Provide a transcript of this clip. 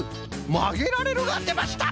「まげられる」がでました！